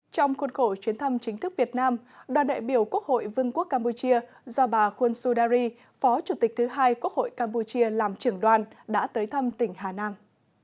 trong khuôn khổ chuyến thăm chính thức việt nam đoàn đại biểu quốc hội vương quốc campuchia do bà khuôn sudari phó chủ tịch thứ hai quốc hội campuchia làm trưởng đoàn đã tới thăm tỉnh hà nam